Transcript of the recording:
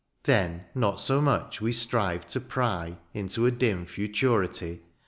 Then not so much we strive to pry Into a dim futurity.